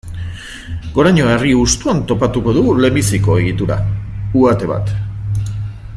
Goraño herri hustuan topatuko dugu lehenbiziko egitura, uhate bat.